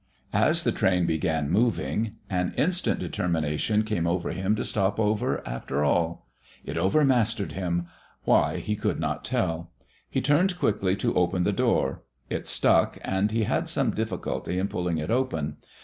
As the train began moving an instant determination came over him to stop over, after all. It overmastered him why he could not tell. He turned quickly to open the door. It stuck, and he had some difficulty in pulling it open.